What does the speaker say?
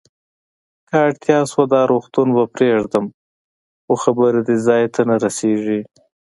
که اړتیا شوه، دا روغتون به پرېږدم، خو خبره دې ځای ته نه رسېږي.